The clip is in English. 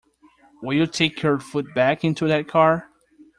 Will you take your foot back into that car?